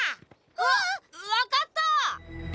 うわっ！分かった！